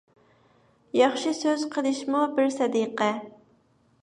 ياخشى سۆز قىلىشىمۇ بىر سەدىقە.